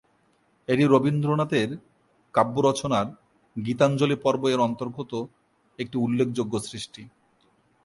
এটি রবীন্দ্রনাথের কাব্য রচনার "গীতাঞ্জলি পর্ব"-এর অন্তর্গত একটি উল্লেখযোগ্য সৃষ্টি।